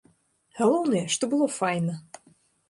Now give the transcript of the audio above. Галоўнае, што было файна!